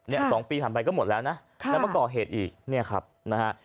สองปีผ่านไปก็หมดแล้วนะแล้วมาก่อเหตุอีกเนี่ยครับนะฮะ